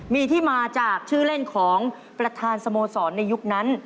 มีที่มาจากชื่อเล่นของประธานสโมสรในยุคนั้น